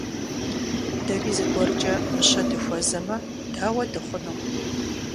Дэри зыгуэркӀэ мыщэ дыхуэзэмэ, дауэ дыхъуну?